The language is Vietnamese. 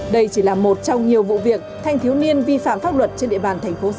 đây chỉ là một trong nhiều vụ việc thanh thiếu niên vi phạm pháp luật